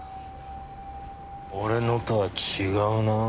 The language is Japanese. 俺のとは違うなぁ。